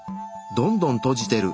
どんどん閉じてる。